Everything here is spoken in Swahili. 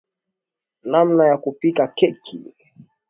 namna ya kupika keki